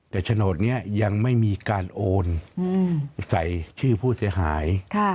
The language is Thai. แต่โฉนดนี้ยังไม่มีการโอนใส่ชื่อผู้เสียหาย